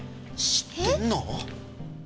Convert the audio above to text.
知ってんの？